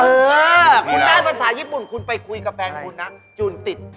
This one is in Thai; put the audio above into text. เออคุณได้ภาษาญี่ปุ่นคุณไปคุยกับแฟนคุณนะจูนติด